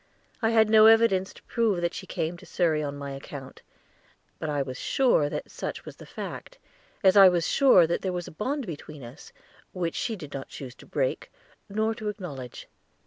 I had no evidence to prove that she came to Surrey on my account; but I was sure that such was the fact, as I was sure that there was a bond between us, which she did not choose to break, nor to acknowledge.